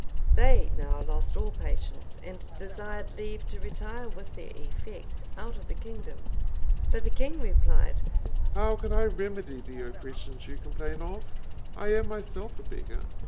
They now lost all patience, and desired leave to retire with their effects out of the kingdom. But the king replied, "How can I remedy the oppressions you complain of? I am myself a beggar.